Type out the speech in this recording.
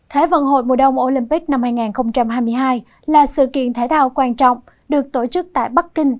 thái vận hội mùa đông olympic năm hai nghìn hai mươi hai là sự kiện thể thao quan trọng được tổ chức tại bắc kinh